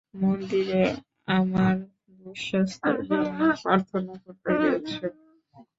মন্দিরে আমার সুস্বাস্থ্যের জন্য প্রার্থনা করতে গেছ।